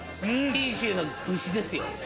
信州の牛ですよ